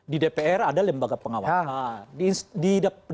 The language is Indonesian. di dpr ada lembaga pengawasan